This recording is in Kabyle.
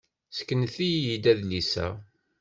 Seknet-iyi-d adlis-a!